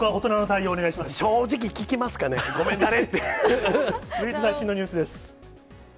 正直、聞きますかね、続いて最新のニュースです。